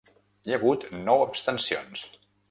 Hi ha hagut nou abstencions.